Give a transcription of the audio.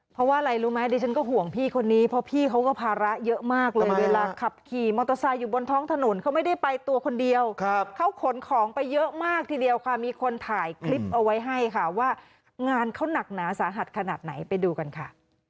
เพราะว่าอะไรรู้ไหมดิฉันก็ห่วงพี่คนนี้เพราะพี่เขาก็ภาระเยอะมากเลยเวลาขับขี่มอเตอร์ไซค์อยู่บนท้องถนนเขาไม่ได้ไปตัวคนเดียวเขาขนของไปเยอะมากทีเดียวค่ะมีคนถ่ายคลิปเอาไว้ให้ค่ะว่างานเขาหนักหนาสาหัสขนาดไหนไปดูกันค่ะ